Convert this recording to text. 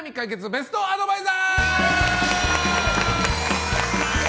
ベストアドバイザー！